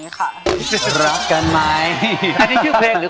นี่คือเพลงหรือความในใจ